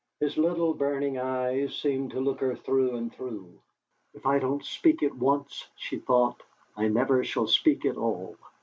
His little burning eyes seemed to look her through and through. '.f I don't speak at once,' she thought, 'I never shall speak at all.'